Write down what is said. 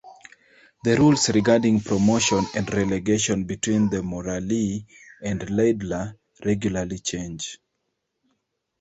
The rules regarding promotion and relegation between the Moralee and Laidler regularly change.